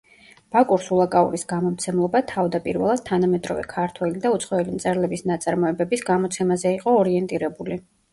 ბაკურ სულაკაურის გამომცემლობა თავდაპირველად თანამედროვე ქართველი და უცხოელი მწერლების ნაწარმოებების გამოცემაზე იყო ორიენტირებული.